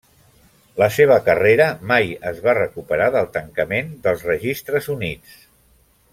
La seva carrera mai es va recuperar del tancament dels registres Units.